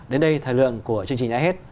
đến đây thời lượng của chương trình đã hết